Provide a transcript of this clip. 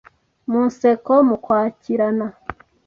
mu nseko, mu kwakirana